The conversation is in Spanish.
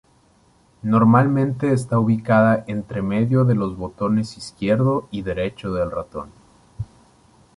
Normalmente está ubicada entre medio de los botones izquierdo y derecho del ratón.